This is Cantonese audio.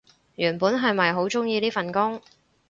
原本係咪好鍾意呢份工